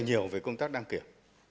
đăng kiểm là nhiều về công tác đăng kiểm